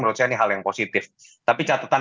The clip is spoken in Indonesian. menurut saya ini hal yang positif tapi catatan